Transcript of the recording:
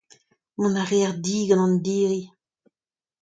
Mont a reer di gant an diri.